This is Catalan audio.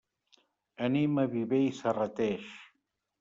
Anem a Viver i Serrateix.